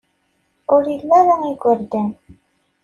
Ur ili ara igerdan.